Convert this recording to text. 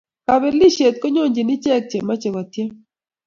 Kapelisiet konyonjini ichek che machei ko tiem